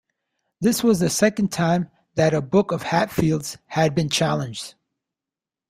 This was the second time that a book of Hatfield's had been challenged.